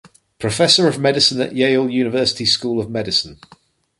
Professor of Medicine at Yale University School of Medicine.